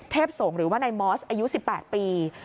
สงฆ์หรือว่านายมอสอายุ๑๘ปี